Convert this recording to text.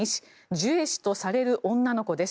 ジュエ氏とされる女の子です。